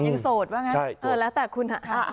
อ๋อยังโสดบ้างนะแล้วแต่คุณ